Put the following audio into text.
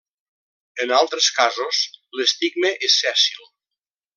En altres casos l'estigma és sèssil.